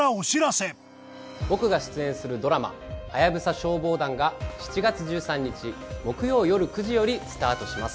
僕が出演するドラマ『ハヤブサ消防団』が７月１３日木曜よる９時よりスタートします。